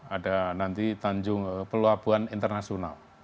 ada nanti pelabuhan internasional